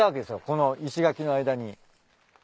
この石垣の間に。